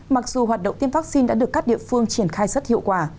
mặc dù hoạt động tiêm vaccine đã được các địa phương triển khai rất hiệu quả